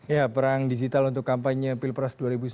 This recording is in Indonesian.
ya perang digital untuk kampanye pilpres dua ribu sembilan belas